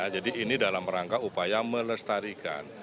jadi ini dalam rangka upaya melestarikan